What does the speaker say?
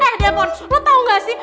eh depon lo tau gak sih